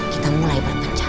kita mulai berpencar